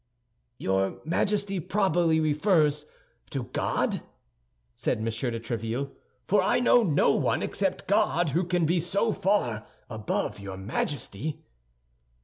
"Your Majesty probably refers to God," said M. de Tréville; "for I know no one except God who can be so far above your Majesty."